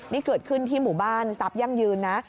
นี่เกิดขึ้นที่หมู่บ้านทรัพยั่งยืนนะ